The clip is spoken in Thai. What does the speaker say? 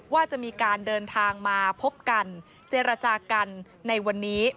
ว่าจะมีการเดินทางมาพบกันเจรจากันในวันนี้